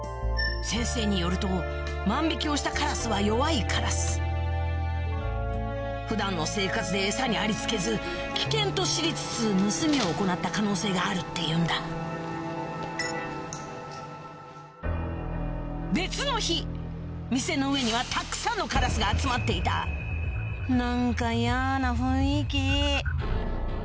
先生によると万引きをしたカラスは普段の生活でエサにありつけず危険と知りつつ盗みを行った可能性があるっていうんだ別の日店の上にはたくさんのカラスが集まっていた何か嫌な雰囲気